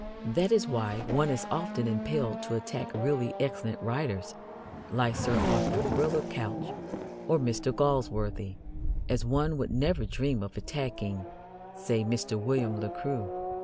That is why one is often impelled to attack really excellent writers, like Sir Arthur Quiller Couch or Mr. Galsworthy, as one would never dream of attacking, say, Mr. William Le Queux.